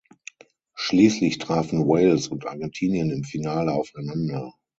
Schließlich trafen Wales und Argentinien im Finale aufeinander.